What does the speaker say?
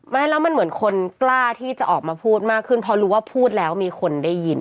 ไม่แล้วมันเหมือนคนกล้าที่จะออกมาพูดมากขึ้นเพราะรู้ว่าพูดแล้วมีคนได้ยิน